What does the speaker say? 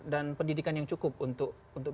dan pendidikan yang cukup untuk